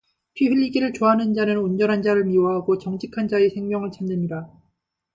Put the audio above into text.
피 흘리기를 좋아하는 자는 온전한 자를 미워하고 정직한 자의 생명을 찾느니라